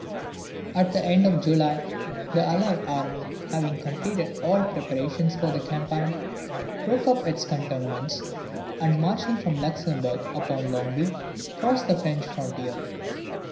At the end of July the allied army, having completed all preparations for the campaign, broke up from its cantonments, and marching from Luxembourg upon Longwy, crossed the French frontier.